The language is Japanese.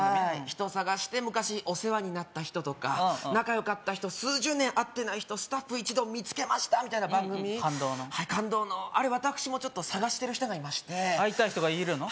人を探して昔お世話になった人とか仲良かった人数十年会ってない人スタッフ一同見つけましたみたいな番組感動の私もちょっと探してる人がいまして会いたい人がいるの？